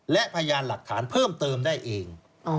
และพยานหลักฐานเพิ่มเติมได้เอง